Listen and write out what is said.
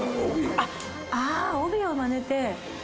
帯をまねて。